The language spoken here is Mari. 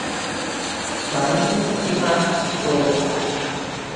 Варуш ден Степан толыт.